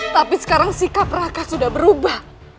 tapi sekarang sikap raka sudah berubah